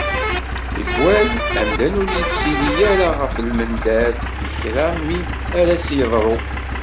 Tikkwal, amdan ur ittili ara ɣef lmendad n kra mi ara as-d-iḍru.